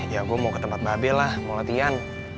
ya gue mau ke tempat mbak bella mau latihan